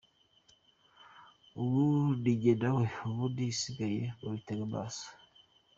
Ubu nijye na we ubundi ibisigaye mubitege amaso.